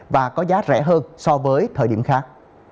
và có giá rẻ hơn so với thời điểm khác